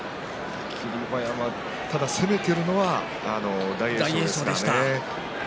ただ攻めているのは大栄翔でした。